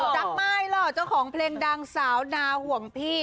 แตกมะไอ่เล่าเจ้าของเพลงดังสาวนาห่วงพี่